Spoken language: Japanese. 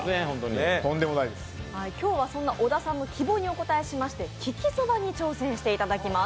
今日はそんな小田さんの希望にお応えしまして、利きそばに挑戦していただきます。